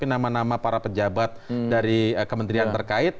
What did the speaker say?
nama nama para pejabat dari kementerian terkait